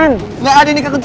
nggak ada nih kak kecil